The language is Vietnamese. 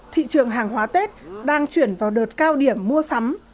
thị trường hàng hóa tết đang chuyển vào đợt cao điểm mua sắm